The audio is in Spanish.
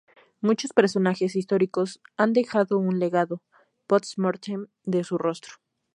Muchos personajes históricos han dejado un legado "post mortem" de su rostro.